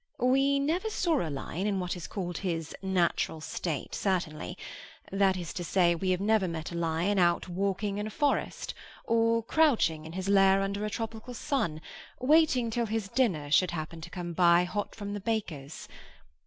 We never saw a lion in what is called his natural state, certainly; that is to say, we have never met a lion out walking in a forest, or crouching in his lair under a tropical sun, waiting till his dinner should happen to come by, hot from the baker's.